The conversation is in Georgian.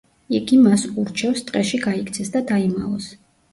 იგი მას ურჩევს, ტყეში გაიქცეს და დაიმალოს.